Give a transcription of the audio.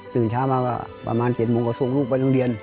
ตื่นเช้ามาก็ประมาณ๗โมงก็ส่งลูกไปโรงเรียน